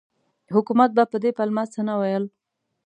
حکومت به په دې پلمه څه نه ویل.